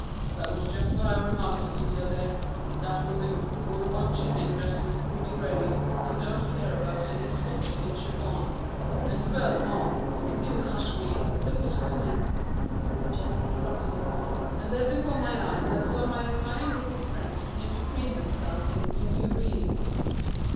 "That was just what I remarked, Letitia dear. That will do, for we want chicken dressed with cream gravy and don't care about any swathed in chiffon. And furthermore " "Do hush, Billy; look who's coming," Jessie interrupted him, and there before my eyes I saw my entire group of friends begin to preen themselves into new beings.